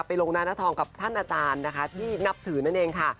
ลงนาหน้าทองกับท่านอาจารย์นะคะที่นับถือนั่นเองค่ะ